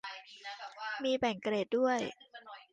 มีแบ่งเกรดด้วย